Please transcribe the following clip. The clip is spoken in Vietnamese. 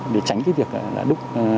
để tránh cái việc đứt